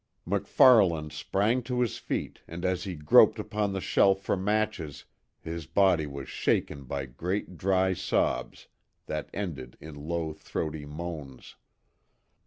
MacFarlane sprang to his feet and as he groped upon the shelf for matches his body was shaken by great dry sobs that ended in low throaty moans.